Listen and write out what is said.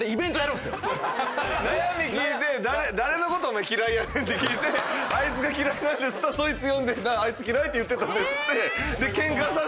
悩み聞いて誰のことお前嫌いやねん？って聞いて「あいつが嫌いなんです」そしたらそいつ呼んであいつ嫌いって言ってたでっつって。